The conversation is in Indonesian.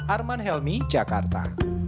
arman helmi jakarta